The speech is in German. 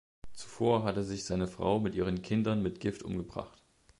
Zuvor hatte sich seine Frau mit ihren Kindern mit Gift umgebracht.